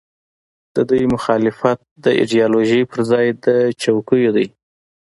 د دوی مخالفت د ایډیالوژۍ پر ځای د څوکیو دی.